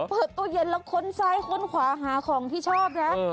เปิดตู้เย็นแล้วค้นซ้ายค้นขวาหาของที่ชอบนะ